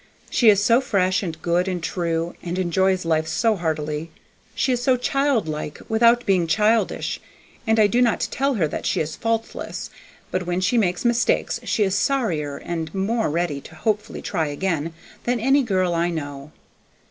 She is so fresh and good and true, and enjoys life so heartily. She is so child like, without being childish; and I do not tell you that she is faultless, but when she makes mistakes she is sorrier and more ready to hopefully try again than any girl I know.